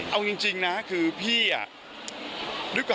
เอาจริงนะคือพี่อ่ะ